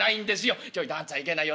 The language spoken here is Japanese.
ちょいと八っつぁんいけないよ。